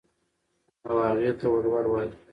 او هغې ته ولور وايو.